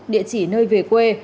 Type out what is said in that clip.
địa chỉ nơi về quê